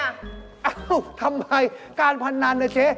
เอ้าทำไมการพนันนะเจ๊